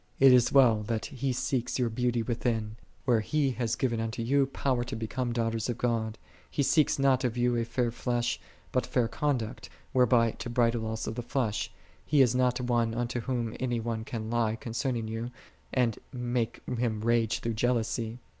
56. It is well that He seeks your beauty within, where He hath given unto you power to become daughters of God:4 He seeks not of you a fair flesh, but fair conduct, whereby to bridle also the flesh. He is not one unto Whom any one can lie concerning you, and make him rage through jealousy.